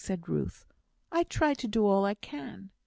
said Ruth; "I try to do all I can."